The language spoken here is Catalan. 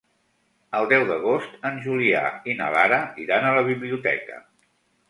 El deu d'agost en Julià i na Lara iran a la biblioteca.